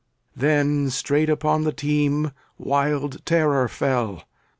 Then straight upon the team wild terror fell.